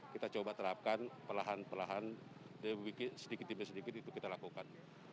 kita coba terapkan perlahan perlahan sedikit demi sedikit itu kita lakukan